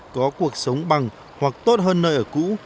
có cuộc sống bằng hoặc tốt hơn nơi ở cũ